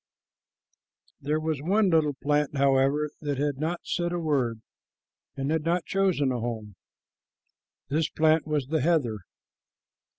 There was one little plant, however, that had not said a word and had not chosen a home. This plant was the heather.